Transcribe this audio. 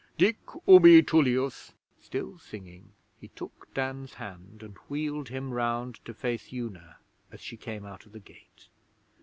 Dic ubi Tullius ' Still singing, he took Dan's hand and wheeled him round to face Una as she came out of the gate.